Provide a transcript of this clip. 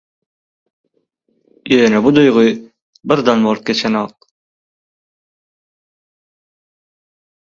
Ýöne bu duýgy birden bolup geçenok.